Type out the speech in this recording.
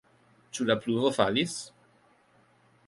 Ĉu la pluvo falis?